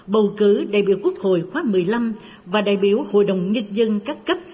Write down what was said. bầu cử đại biểu quốc hội khóa một mươi năm và đại biểu hội đồng nhân dân các cấp